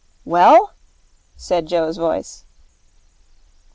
'Well?' said Joe's voice.